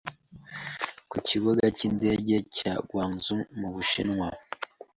ku kibuga cy'indege cya Guangzhou mu Bushinwa,